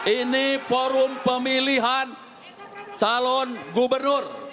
ini forum pemilihan calon gubernur